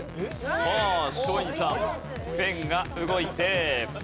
さあ松陰寺さんペンが動いて。